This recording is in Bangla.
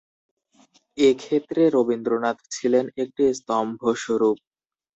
এ ক্ষেত্রে রবীন্দ্রনাথ ছিলেন একটি স্তম্ভস্বরূপ।